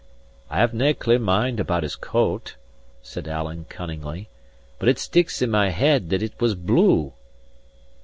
"I have nae clear mind about his coat," said Alan cunningly, "but it sticks in my head that it was blue."